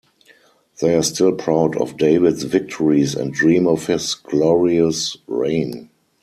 They are still proud of David's victories and dream of his glorious reign.